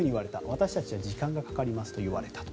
私たちは時間がかかりますといわれた。